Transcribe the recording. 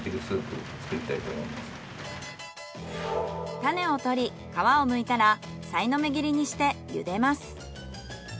種を取り皮をむいたらさいの目切りにして茹でます。